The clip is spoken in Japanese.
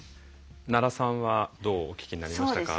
奈良さんはどうお聞きになりましたか？